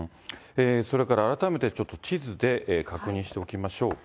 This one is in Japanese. それから改めて、ちょっと地図で確認しておきましょう。